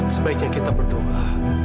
sebaiknya kita berdoa